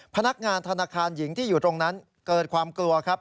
พนักงานธนาคารหญิงที่อยู่ตรงนั้นเกิดความกลัวครับ